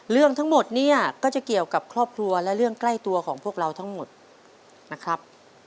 เรื่องทั้งหมดเนี่ยก็จะเกี่ยวกับครอบครัวและเรื่องใกล้ตัวของพวกเราทั้งหมดนะครับ